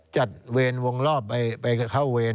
เวรวงรอบไปเข้าเวร